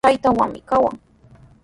Chaytrawmi kawan.